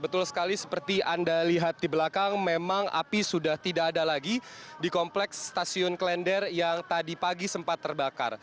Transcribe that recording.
betul sekali seperti anda lihat di belakang memang api sudah tidak ada lagi di kompleks stasiun klender yang tadi pagi sempat terbakar